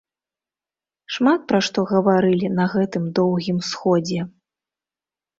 Шмат пра што гаварылі на гэтым доўгім сходзе.